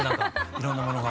いろんなものが。